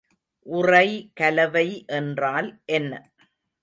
உறைகலவை என்றால் என்ன?